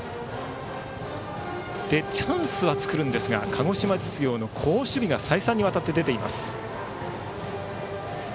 チャンスは作るんですが鹿児島実業の好守備が再三にわたって出ています。